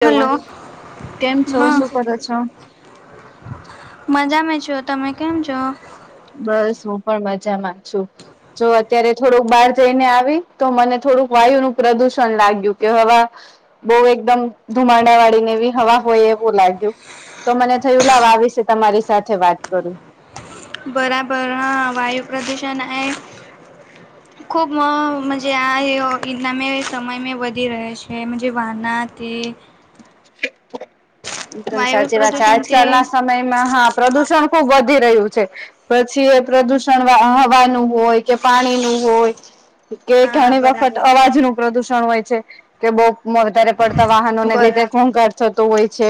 Hello કેમ છો હા શું કરો છો મજામાં છો તમે કેમ છો બસ હું પણ મજામાં છું જો અત્યારે થોડુંક બહાર જઈને આવી તો મને થોડુંક વાયુ નું પ્રદુષણ લાગ્યું કે હવા બવ એકદમ ધુમાડા વાળી ને બી હવા હોય એવું લાગ્યું તો મને થયું લાવ આ વિશે તમારી સાથે વાત કરું બરાબરા વાયુ હ પ્રદૂષણ હે ખૂબ મ મજે આ યો ઇનામે સમય મેં વધી રહે છે પછી વાના તે એકદમ વાયુ સાચી વાત છે પ્રદૂષણ તે આજકાલ ના સમયમાં હા પ્રદૂષણ ખુબ વધી રહ્યું છે પછી એ પ્રદુષણ હવાનું હોય કે પાણી નું હોય કે હા ઘણી વખત બરાબર અવાજ નું પ્રદુષણ હોય છે કે બહુ વધારે પડતા વાહનો ને લીધે બરાબર થતો હોય છે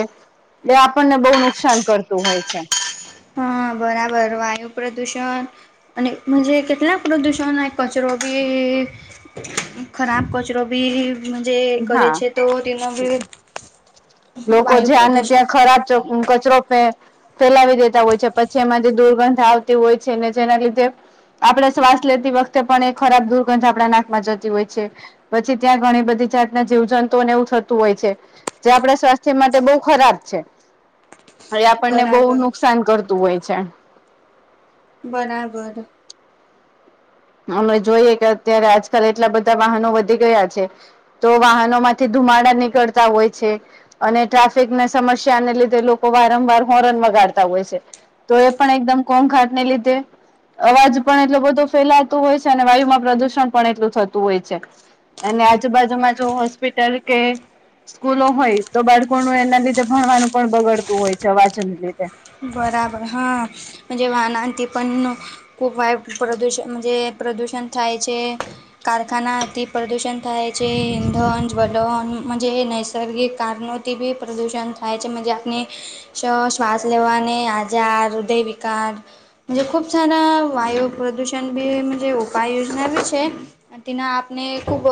એ આપણને બહુ નુકસાન કરતું હોય છે હા બરાબર વાયુ પ્રદુષણ અને મુજે કેટલાક પ્રદૂષણ નો કચરો કે ખરાબ કચરો ભી મુજે કરે હા છે તો તેમાં બી લોકો વાયુ જ્યાં ને પ્રદૂષણ ત્યાં ખરાબ કચરો ફેકે ફેલાવી દેતા હોય છે પછી એમાં થી દુર્ગંધ આવતી હોય છે ને જેના લીધે આપણે શ્વાસ લેતી વખતે પણ એ ખરાબ દુર્ગંધ આપણા નાકમાં જતી હોય છે પછી ત્યાં ઘણી બધી જાત ના જીવ જંતુને એવું થતું હોય છે જે આપણા સ્વાસ્થ્ય માટે બહ ખરાબ છે હવે આપણને બહુ બરાબર નુકસાન કરતું હોય છે બરાબર અમે જોઈએ કે અત્યારે આજકાલ એટલા બધા વાહનો વધી ગયા છે. તો વાહનો માંથી ધુમાડા નીકળતા હોય છે. અને ટ્રાફિકને સમસ્યાને લીધે લોકો વારંવાર હોર્ન વગાડતા હોય છે. તો એ પણ એકદમ કોઘાટ ને લીધે અવાજ પણ એટલો બધો ફેલા. તો હોય છે ને અને વાયુમાં પ્રદુષણ પણ એટલું થતું હોય છે. અને આજુબાજુમાં જો હોસ્પિટલ કે. સ્કૂલો હોય તો બાળકોનું એના લીધે ભણવાનું પણ બગડતું હોય છે અવાજન લીધે. બરાબર હાજે વાનાથી પણ નો. ખુબ વાય પ્રદુષણ જે પ્રદૂષણ થાય છે. કારખાના અતિ પ્રદૂષણ થાય છે ઈંધન જવલનજ નૈસર્ગિક કારણો. ટીબી પ્રદૂષણ થાય છે મજાની શ શ્વાસ. લેવાને આજાર હૃદય વિકાર. ખુબ સારા વાયુ પ્રદૂષણ બી ઉપાય યોજના બી છે. તેના આપને ખૂબ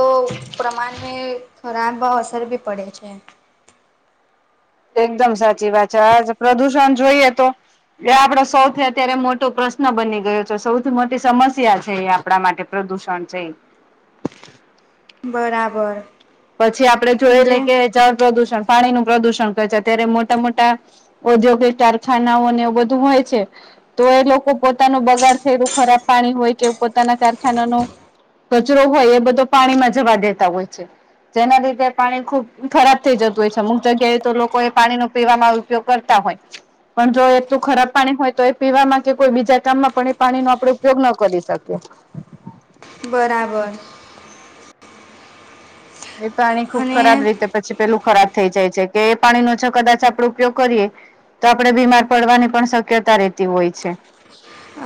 પ્રમાણમે ખરાબ અસર બી પડે છે. એકદમ સાચી વાત છે આજ પ્રદુષણ જોઈએ તો. એ આપડો સૌથી અત્યારે મોટો પ્રશ્ન બની ગયો છે સૌથી મોટી સમસ્યા છે એ. આપડા માટે પ્રદૂષણ છે બરાબર. પછી આપડણે જોયે મજે લે કે જળ પ્રદૂષણ પાણી નું પ્રદુષણ કરે છે અત્યારે મોટા મોટા. ઔદ્યોગિક કારખાનાઓ ને એવું બધું હોય છે. તો એ લોકો પોતાનું બગાડ થયેલું ખરાબ પાણી હોય કે પોતાના કારખાનાનું. કચરો હોય એ બધો પાણીમાં જવા દેતા હોય છે જેના લીધે પાણી ખુબ. ખરાબ થઇ જતું હોય છે અમુક જગ્યાએ તો લોકો એ પાણીનો પીવામાં ઉપયોગ કરતા હોય. પણ જો એકલું ખરાબ પાણી હોય તો એ પીવામાં કે કોઈ બીજા કામમાં પણ એ પાણી ન આપડ ઉપયોગ ન કરી શકીએ. [unintelligible] બરાબર. એ તો આણી ખુબ અને ખરાબ રીતે પછી પેલું ખરાબ. થઈ જાય છે કે એ પાણીનોો છ કદાચ આપડો ઉપયોગ કરીએ. તો આપડણે બીમાર પડવાની પણ શક્યતા રહેતી હોય છે.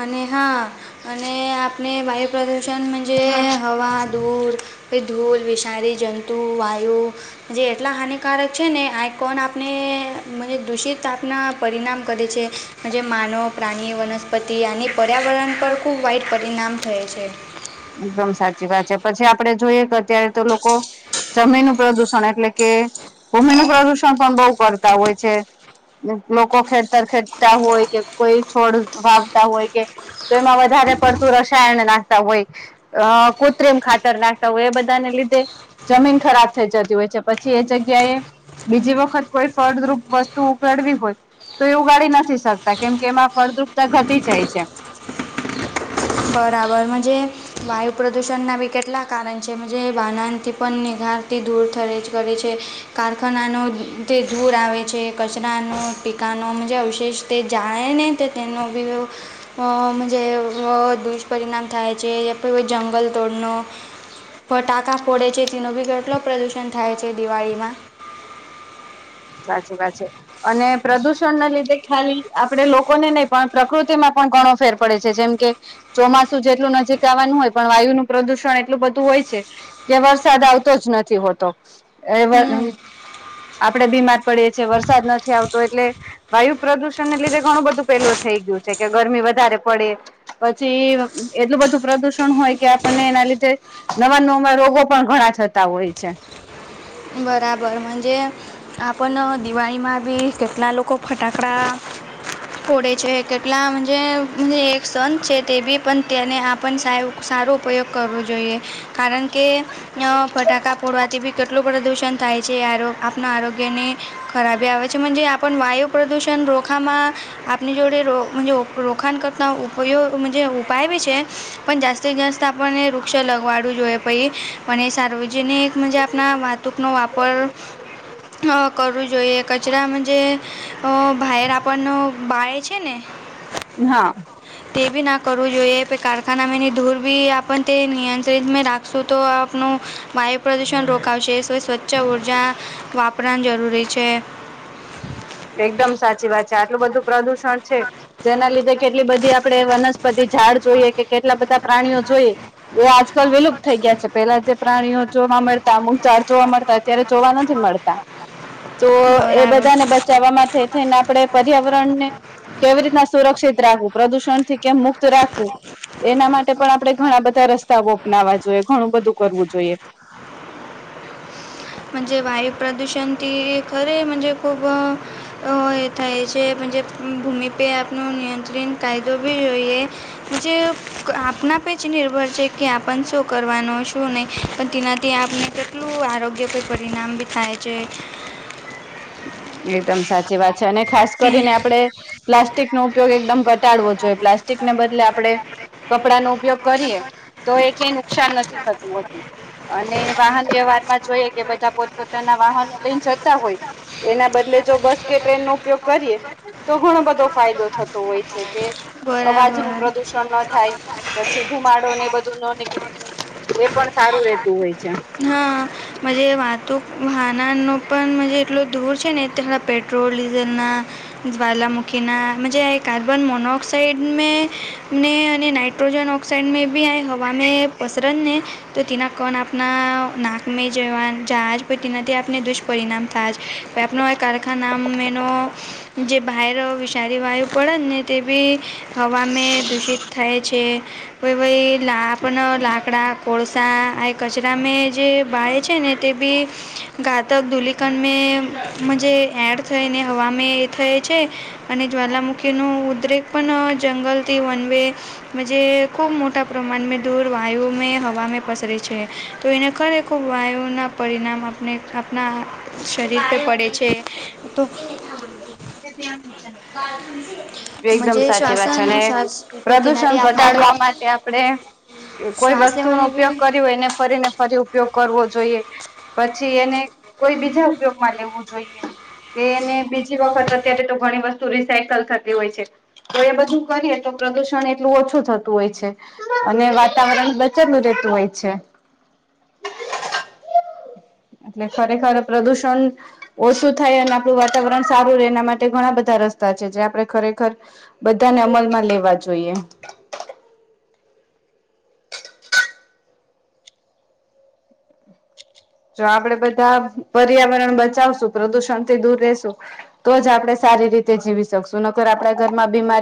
અને હા અને આપણે વાયુ પ્રદુષણ. જે હવા દૂર કે ધૂલ વિષાારી જંતુ વાયુ. જે એટલા હાનિકારક છે ને આ કોણ આપણે દૂષિત આપના પરિણામ કરે છે. જે માનવ પ્રાણી વનસ્પતિ અને પર્યાવરણ પર ખૂબ વાઈટ પરિણામ થય છે. એકદમ સાચી વાત છે પછી આપડે જોઈએ કે અત્યારે તો લોકો. જમીનનું પ્રદુષણ એટલે કે ભૂમિનું પ્રદુષણ પણ બહુ કરતા હોય છે. લોકો ખેડતર ખેડતા હોય કે કોઈ છોડ વાવતા હોય કે. તો એમાં વધારે પડતું રસાયણ નાસ્તા હોય. અ કોત્ર એમ ખાતર નાખતા હોય એ બધા ને લીધે. જમીન ખરાબ થઈ જતી હોય છે પછી એ જગ્યાએ બીજી વખત કોઈ ફળદ્રુપ વસ્તુ ઉડવી હોય. તો એ ઉગાડી નથી શકતા કેમ કે એમાં ફળદ્રુપતા ઘટી જાય છે. બરાબર મજ જે. વાયુ પ્રદૂષણના બી કેટલા કારણ છે જે બાનાણથી પણ નિગારથી દૂર થરે જ કરે છે. કારખાનાનો તે ધૂર આવે છે કચરાનો પીકાનોજ અવશેષ. તે જાાયને તે તેનો બીજ જે. દુષ્પરિણામ થાય છે કોઈ જંગલ તોડનો. ફટાકા ફોડે છે તેનો ભી કેટલો પ્રદુષણ થાય છે દિવાળીમાં. સાચી વા છે. અને પ્રદૂષણ ના લીધે ખાલી આપણેે લોકોને નહી પણ પ્રકૃતિમાં પણ ઘણો ફેર પડે છે જેમ કે. ચોમાસું જેટલું નજીક આવવાનું હોય પણ વાયુ નું પ્રદુષણ એટલું બધું હોય છે. કે વરસાદ આવતો જ નથી હોતો એ હમ આપડણે બીમાર પડીએ છીએ વરસાદ નથી આવતો એટલે વાયુ પ્રદૂષણને લીધે ઘણું બધું પેલું થઈ ગયું છે કે ગરમી વધારે પડે પછી એટલું બધું પ્રદુષણ હોય કે આપણને એના લીધે નવા નવા રોગો પણ ઘણા થતા હોય છે બરાબરજે આપણ દિવાળીમાં બી કેટલા લોકો ફટાકડા કોડે છે કેટલા મનજે સંત છે તે બી પણ તેને આપણ સાહેબ સારો ઉપયોગ કરવો જોઈએ કારણ કે ફટાકા ફોડવાથી બી કેટલું પ્રદુષણ થાય છે આપના આરોગ્ય ને ખરાબી આવે છે આપણ વાયુ પ્રદૂષણ રોખવામાં આપની જોડે રો રોકાાણ કરતા ઉપગ ઉપાય બી છે પણ જાસ્તે જાસ્ત આપણને વૃક્ષ લગવાડવું જોઈએ પછ પણ એ સાર્વજનિક મનજે આપણા તૂકનો વાપર અ કરવું જોઈએ કચરા મ જે બર આપણનો બાળે છે ને હા તે બી ના કરવું જોઈએ પણ કારખાનામાં ધૂર બી આપ નિયંત્રિત રાખ શું તો આપણ વાયુ પ્રદુષણ રોકાવશે તોઈ સ્વચ્છ ઉર્જા વાપરરાની જરૂરી છે એકદમ સાચી વાત છે આટલું બધું પ્રદુષણ છે જેના લીધે કેટલી બધી આપડે વનસ્પતિ ઝાડ જોઈએ કે કેટલા બધા પ્રાણીઓ જોઈએ એ આજકાલ વિલુપત થઈ ગયા છે પેલા જે પ્રાણીઓ જોવા મળતા મુઘઝાડ જોવા મળતા તત્યારે જોવા નથી મળતા તો એ બરાબર બધાને જવામાં થઈ થઈને આપડે પર્યાવરણ ને કેવી રીતના સુરક્ષિત રાખવું પ્રદુષણ થી કેમ મુક્ત રાખવું એના માટે પણ આપડણે ઘણા બધા રસ્તાઓ અપનાવવા જોઈએ ઘણું બધું કરવું જોઈએ જ વાયુ પ્રદૂષણથી ખરેજ ખૂબ અ થાય છે પણ જે ભૂમિપે આપનો નિયંત્રિત કાયદો બી જોઈએ જે આપના પે જ નિર્ભર છે કે આપણ શું કરવાનો શું નહી પણ તેનાથી આપને કેટલું આરોગ્ય કઈ પરિણામ બી થાય છે એકદમ સાચી વાત અને ખાસ કરીને આપણે પ્લાસ્ટિક નો ઉપયોગ એકદમ ઘટાડવો જોઈએ પ્લાસ્ટિક ને બદલે આપણે કપડા નો ઉપયોગ કરીએ તો એ કઈ નુકસાન નથી થતું હોતું અને વાહન વ્યવહાર માં જોઈએ કે બધા પોતપોતાના વાહનો લઈને જતા હોય એના બદલે જો બસ કે ટ્રેન નો ઉપયોગ કરીએ તો ઘણો બધો ફાયદો થતો હોય છે કે અવાજ નું બરાબર પ્રદુષણ ન થાય પછી ધુમાડો ને એ બધું ન નીકળે એ પણ સારું રેતું હોય છે હા મ વાતુ વાહના ન પણ એટલો દૂર છે નેડા પેટ્રોલ ડીઝલ ના જવાલા મુુખીના મજ આ કાર્બન મોનોક્સાઈઇડ મે ને અને નાઇટ્રોજન ઓક્સાઈડ મે બી આ હવા મે પસરત ને તો તેના કણ આપણા નાકમે જવા જહાજ પ તેનાથી આપણે દુષ્ પરિણામ થાય છે આપ કારખાનાનો જે બ સારી વાયુ પડે ને તે બી હવામાં દૂષિત થાય છે કોઈ ભહી લા આપણ લાકડાં કોળસા એ કચરા મે જે બાળ છે ને તે બી ઘાતક ધુલિકંડ જે એડ થઈને હવામાં એ થાય છે અને જ્વાલામુખી ન ઉદ્રેક પણ જંગલ થી વન વે જે ખુબ મો પ્રમાણમાં દૂર વાયુ મે હવામાં પસરે છે તો એના ખરેખ વાયુનાં પરિણામ આપણે આપણા શરીર પ પડે છે તો એકદમ મજે સાચી વાત છે શ્વાસન અને શ્વાસ પર તેનાથી પ્રદુષણ આપણે ઘટાડવા માટે આપણે કોઈ શ્વાસ વસ્તુનો લેવાને ઉપયોગ બી કરો હોય એને ફરીને ફરી ઉપયોગ કરવો જોઈએ પછી એને કોઈ બીજા ઉપયોગમાં લેવું જોઈએ કે એને બીજી અત્યારે તો ઘણી વસ્તુ રિસાયકલ થતી હોય છે તો એ બધું કરીએ તો પ્રદુષણ એટલું ઓછું થતું હોય છે અને વાતાવરણ બચેલું રહેતું હોય છે એટલે ખરેખર પ્રદુષણ ઓછું થાય અને આપણું વાતાવરણ સારું રહેે એના માટે ઘણા બધા રસ્તા છે જે આપણે ખરેખર બધાને અમલ માં લેવા જોઈએ જો આપડે બધા પર્યાવરણ બચાવશું પ્રદુષણ થી દૂર રહેશું તો જ આપડમણે સારી રીતે જીવી શકશું નકર આપણા ઘરમાં બીમારી